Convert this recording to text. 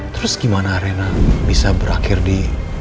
terus gimana arena bisa berakhir di